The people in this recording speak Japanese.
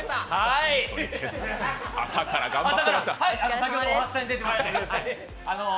先ほど「おはスタ」に出てました。